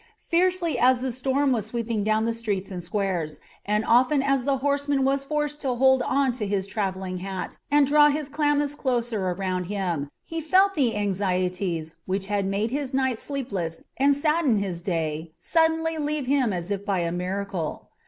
Fiercely as the storm was sweeping down the streets and squares, and often as the horseman was forced to hold on to his travelling hat and draw his chlamys closer around him, he felt the anxieties which had made his night sleepless and saddened his day suddenly leave him as if by a miracle.